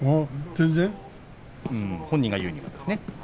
本人が言うにはですね。